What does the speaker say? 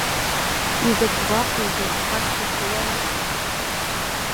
Изакә гәаҟроузеи, аха ахьҭа шәылалар?